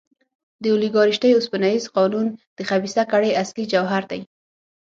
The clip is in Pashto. د اولیګارشۍ اوسپنیز قانون د خبیثه کړۍ اصلي جوهر دی.